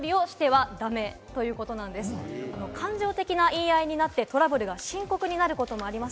感情的な言い合いになってトラブルが深刻になることもあります。